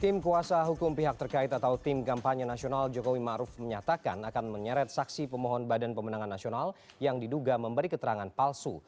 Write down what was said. tim kuasa hukum pihak terkait atau tim kampanye nasional jokowi ⁇ maruf ⁇ menyatakan akan menyeret saksi pemohon badan pemenangan nasional yang diduga memberi keterangan palsu